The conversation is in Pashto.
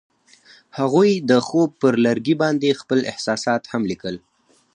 هغوی د خوب پر لرګي باندې خپل احساسات هم لیکل.